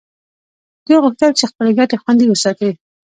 دوی غوښتل چې خپلې ګټې خوندي وساتي